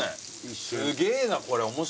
すげえなこれ面白。